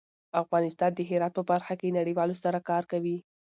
افغانستان د هرات په برخه کې نړیوالو سره کار کوي.